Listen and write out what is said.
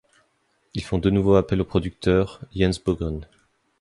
Ils font de nouveau appel au producteur Jens Bogren.